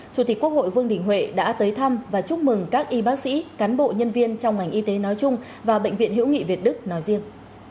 chủ tịch quốc hội vương đình huệ đã tới thăm và chúc mừng các y bác sĩ cán bộ nhân viên trong ngành y tế nói chung và bệnh viện hữu nghị việt đức nói riêng